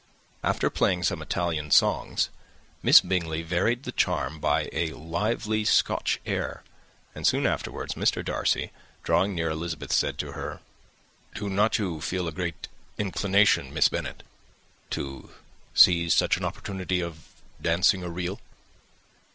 After playing some Italian songs, Miss Bingley varied the charm by a lively Scotch air; and soon afterwards Mr. Darcy, drawing near Elizabeth, said to her, "Do you not feel a great inclination, Miss Bennet, to seize such an opportunity of dancing a reel?"